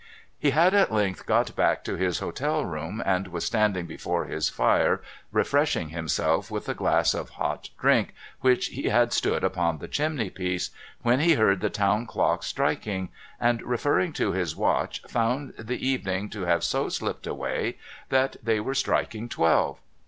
He had at length got back to his hotel room, and was standing before his fire refreshing himself with a glass of hot drink which he had stood upon the chimney piece, when he heard the town clocks striking, and, referring to his watch, found the evening to have so slipped away, that they were striking twelve.